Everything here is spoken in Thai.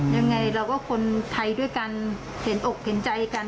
ยังไงเราก็คนไทยด้วยกันเห็นอกเห็นใจกัน